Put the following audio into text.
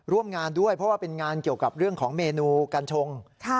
ร่วมงานด้วยเพราะว่าเป็นงานเกี่ยวกับเรื่องของเมนูกัญชง